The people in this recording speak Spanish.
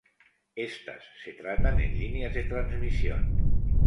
Estas se tratan, en Líneas de transmisión.